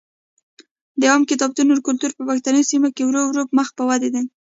د عامه کتابتونونو کلتور په پښتني سیمو کې ورو ورو مخ په ودې دی.